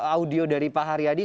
audio dari pak haryadi